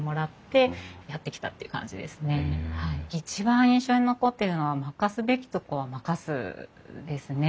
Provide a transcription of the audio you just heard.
一番印象に残ってるのは任すべきとこは任すですね。